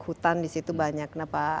hutan di situ banyak